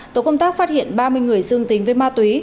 tổ công tác phát hiện ba mươi người dương tính với ma túy